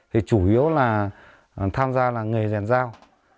thì chủ yếu là tham gia làng nghề rèn dao